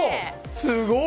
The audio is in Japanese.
すごい！